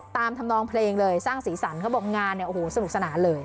ตามธรรมนิยมเพลงเลยสร้างศีลสารเขาบอกงานน่ะโอ้โหสนุกสนานเลย